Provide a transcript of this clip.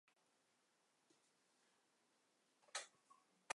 早年留学苏联莫斯科列宁学院。